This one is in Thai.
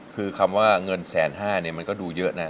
คือคำว่าเงินแสนห้าเนี่ยมันก็ดูเยอะนะ